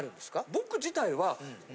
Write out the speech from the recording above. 僕自体は。